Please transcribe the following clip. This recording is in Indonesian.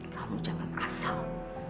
kamu jangan asal